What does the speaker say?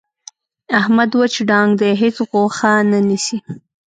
احمد وچ ډانګ دی. هېڅ غوښه نه نیسي.